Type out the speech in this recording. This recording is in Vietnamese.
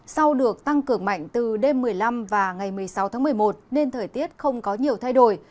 sau được tăng cường mạnh từ đêm một mươi năm và ngày một mươi sáu tháng một mươi một nên thời tiết không có nhiều thay đổi